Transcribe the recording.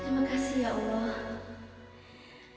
terima kasih o allah